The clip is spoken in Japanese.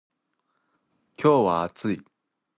今日は暑い。